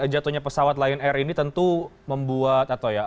jatuhnya pesawat lion air ini tentu membuat